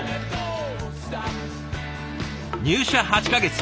入社８か月。